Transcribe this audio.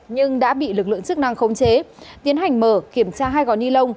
nhưng đã bị lực lượng chức năng khống chế tiến hành mở kiểm tra hai gói ni lông